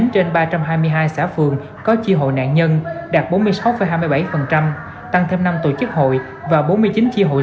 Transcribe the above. một mươi trên ba trăm hai mươi hai xã phường có chi hội nạn nhân đạt bốn mươi sáu hai mươi bảy tăng thêm năm tổ chức hội và bốn mươi chín chi hội